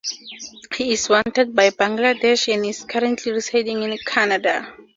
He is wanted by Bangladesh and is currently residing in Canada.